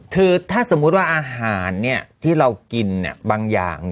คือถ้าสมมุติว่าอาหารที่เรากินบางอย่าง